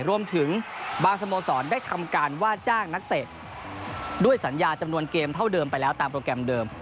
รวมถึงบางสโมสรได้ทำการว่าจ้างนักเตะด้วยสัญญาจำนวนเกมเท่าเดิมไปแล้วตามโปรแกรมเดิม